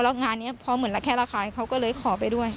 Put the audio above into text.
แล้วงานนี้พอเหมือนระแคะระคายเขาก็เลยขอไปด้วย